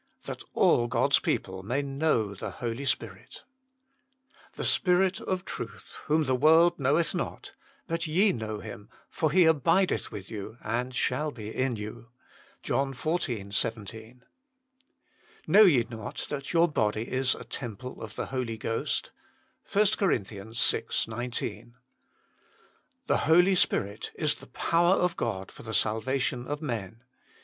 tlhat all (Bou a people ntajr hnoio the Spirit "The Spirit of truth, whom the world knoweth not; but ye know Him ; for He abideth with you, and shall be in you. 1 JOHN xiv. 17. " Know ye not that your body is a temple of the Holy Ghost ?" 1 Con. vi. 19. The Holy Spirit is the power of God for the salvation of men.